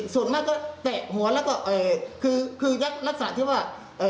ส่วนมากก็แตะหัวแล้วก็คือยักษ์รักษาเรียนว่า